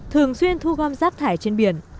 thường xuyên thu gom rác thải trên biển